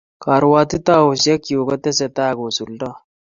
karwatutaisiek chuu kotesetai kosuldai